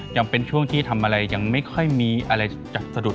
ยังเป็นช่วงที่ทำอะไรยังไม่ค่อยมีอะไรจับสะดุด